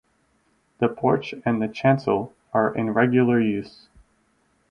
The porch and the chancel are in regular use.